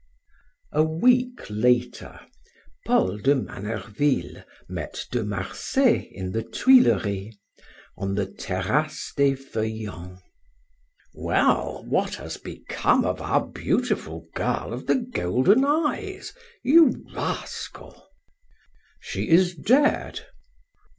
A week later Paul de Manerville met De Marsay in the Tuileries, on the Terrasse de Feuillants. "Well, what has become of our beautiful girl of the golden eyes, you rascal?" "She is dead."